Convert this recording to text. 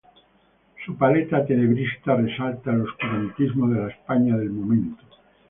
Su paleta tenebrista resalta el oscurantismo de la España del momento.